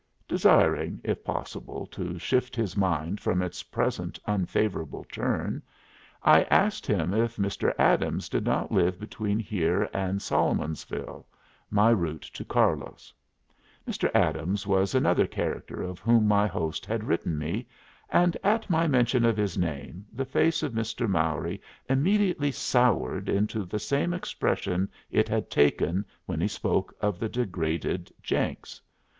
Desiring, if possible, to shift his mind from its present unfavorable turn, I asked him if Mr. Adams did not live between here and Solomonsville, my route to Carlos. Mr. Adams was another character of whom my host had written me, and at my mention of his name the face of Mr. Mowry immediately soured into the same expression it had taken when he spoke of the degraded Jenks.